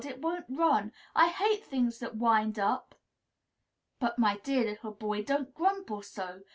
It won't run. I hate things that wind up!" "But, my dear little boy, don't grumble so!